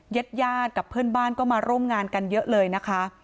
ญาติญาติกับเพื่อนบ้านก็มาร่วมงานกันเยอะเลยนะคะ